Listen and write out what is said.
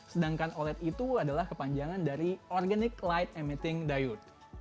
sedangkan oled itu adalah kepanjangan dari organic light emitting diet